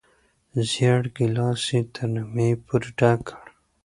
زېړ ګیلاس یې تر نیمايي پورې ډک کړ.